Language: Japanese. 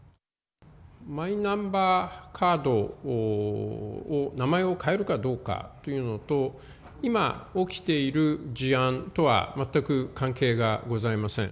マイナンバーカードを名前を変えるかどうかというのと、今、起きている事案とは全く関係がございません。